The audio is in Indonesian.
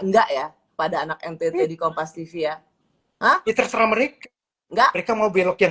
enggak ya pada anak ntt di kompas tv ya di terserah mereka enggak mereka mau belokin